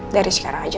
dari sekarang aja